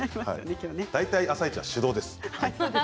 大体「あさイチ」は手動です。